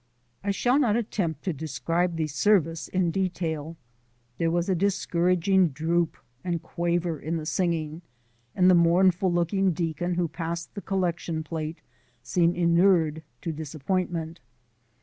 I shall not attempt to describe the service in detail. There was a discouraging droop and quaver in the singing, and the mournful looking deacon who passed the collection plate seemed inured to disappointment.